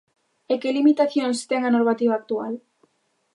¿E que limitacións ten a normativa actual?